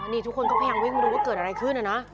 นี่ทุกคนก็พยายามวิ่งมาดูว่าเกิดอะไรขึ้นนะ